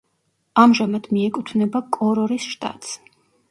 ამჟამად მიეკუთვნება კორორის შტატს.